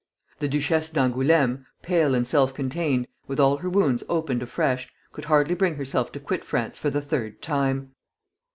The Duchesse d'Angoulême, pale and self contained, with all her wounds opened afresh, could hardly bring herself to quit France for the third time.